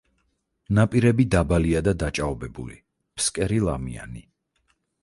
ნაპირები დაბალია და დაჭაობებული, ფსკერი ლამიანი.